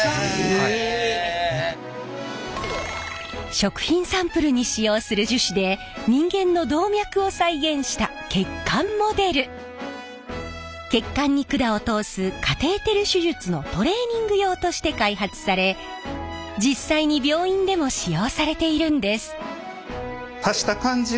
食品サンプルに使用する血管に管を通すカテーテル手術のトレーニング用として開発され実際に病院でも使用されているんです。